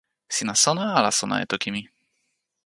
sina sona ala sona e toki mi?